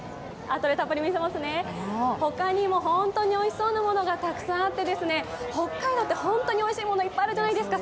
ほかにも本当においしそうなものがたくさんあって、北海道って本当においしいものたくさんあるじゃないですか。